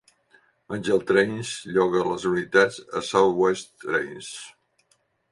Angel Trains lloga les unitats a South West Trains.